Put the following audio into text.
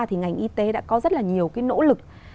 thì ngành y tế đã có rất là nhiều cái nỗ lực